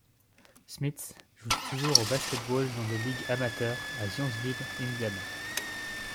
Smits joue toujours au basket-ball dans des ligues amateurs à Zionsville, Indiana.